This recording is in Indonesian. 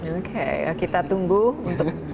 oke kita tunggu untuk